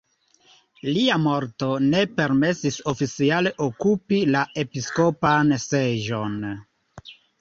Lia morto ne permesis oficiale okupi la episkopan seĝon.